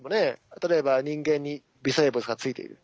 例えば人間に微生物がついている。